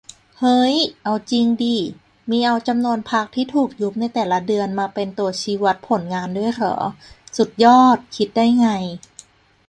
เฮ้ย เอาจิงดิ มีเอาจำนวนพรรคที่ถูกยุบในแต่ละเดือนมาเป็นตัวชี้วัดผลงานด้วยเหรอ สุดยอด คิดได้ไง